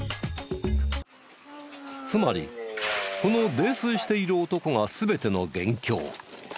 つまりこの泥酔している男が全ての元凶。